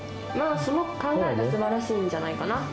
その考えがすばらしいんじゃないかな。